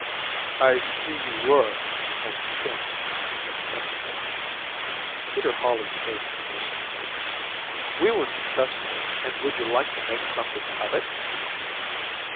"I see you were, in a sense, successful." Peter Hawley faced the mercenary. "We were successful and would you like to make something of it?"